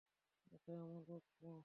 এটা আমার প্রাপ্য।